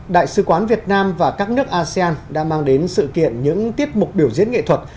đại sứ quán việt nam và các nước asean đã mang đến sự kiện những tiết mục biểu diễn nghệ thuật